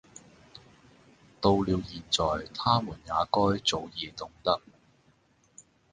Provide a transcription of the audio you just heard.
到了現在，他們也該早已懂得，……